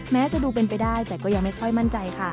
แม้จะดูเป็นไปได้แต่ก็ยังไม่ค่อยมั่นใจค่ะ